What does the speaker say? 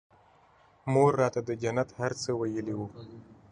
مور راته د جنت هر څه ويلي وو.